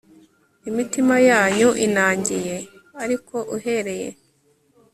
imitima yanyu inangiye, ariko uhereye